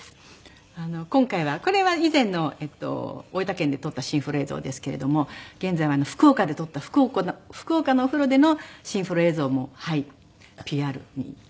今回はこれは以前の大分県で撮ったシンフロ映像ですけれども現在は福岡で撮った福岡のお風呂でのシンフロ映像もＰＲに。